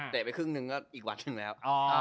เตะไปครึ่งนึงก็อีกวันถึงแล้ว